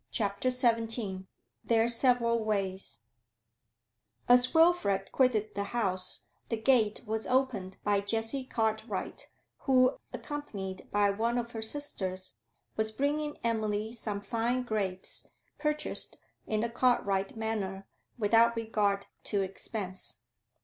CHAPTER XVII THEIR SEVERAL WAYS As Wilfrid quitted the house, the gate was opened by Jessie Cartwright, who, accompanied by one of her sisters, was bringing Emily some fine grapes, purchased, in the Cartwright manner, without regard to expense.